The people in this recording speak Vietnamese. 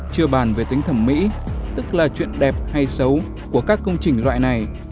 chưa bàn về tính thẩm mỹ tức là chuyện đẹp hay xấu của các công trình loại này